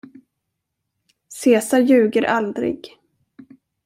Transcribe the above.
Cesar ljuger aldrig.